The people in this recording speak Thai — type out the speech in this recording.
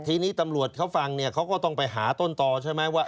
ทีนี้ตำรวจเขาฟังเนี่ยเขาก็ต้องไปหาต้นต่อใช่ไหมว่า